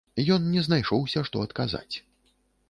Ён не знайшоўся што адказаць.